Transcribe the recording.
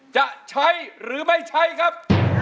จะใช้หรือไม่ใช้ครับ